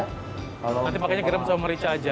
nanti pakainya garam sama merica aja